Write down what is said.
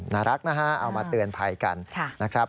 น่ารักนะฮะเอามาเตือนภัยกันนะครับ